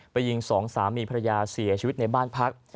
ยิงสองสามีภรรยาเสียชีวิตในบ้านพัก